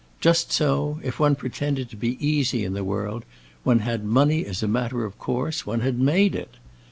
Just so, if one pretended to be easy in the world, one had money as a matter of course, one had made it!